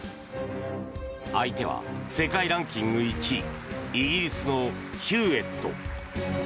相手は世界ランキング１位イギリスのヒューエット。